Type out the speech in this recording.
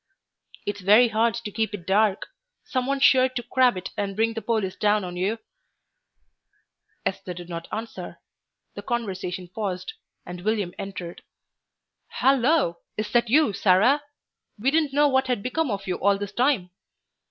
"It's very hard to keep it dark; some one's sure to crab it and bring the police down on you." Esther did not answer; the conversation paused, and William entered. "Halloa! is that you, Sarah? We didn't know what had become of you all this time."